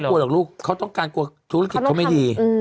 กลัวหรอกลูกเขาต้องการกลัวธุรกิจเขาไม่ดี